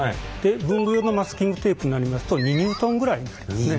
文具用のマスキングテープになりますと２ニュートンぐらいになりますね。